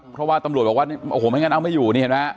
เพราะว่าตำรวจบอกว่าโอ้โหไม่งั้นเอาไม่อยู่